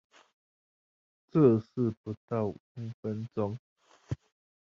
這是不到五分鐘